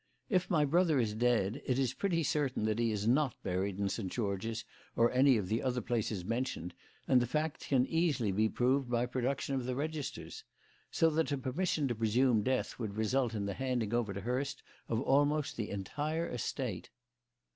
"If my brother is dead, it is pretty certain that he is not buried in St. George's or any of the other places mentioned, and the fact can easily be proved by production of the registers. So that a permission to presume death would result in the handing over to Hurst of almost the entire estate."